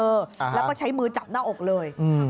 แล้วก็ใช้มือจับหน้าอกเลย